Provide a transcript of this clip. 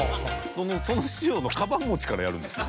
その師匠のカバン持ちからやるんですよ。